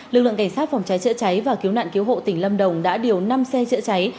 lực lượng cảnh sát phòng cháy chữa cháy và cứu nạn cứu hộ tỉnh lâm đồng đã điều năm xe chữa cháy